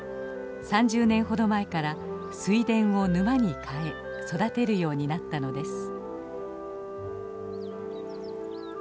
３０年ほど前から水田を沼に変え育てるようになったのです。